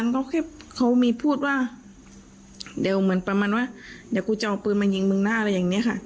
ก็แค่เขามีพูดว่าเดี๋ยวเหมือนประมาณว่าเดี๋ยวกูจะเอาปืนมายิงมึงนะอะไรอย่างนี้ค่ะ